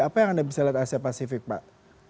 apa yang anda bisa lihat asia pasifik pak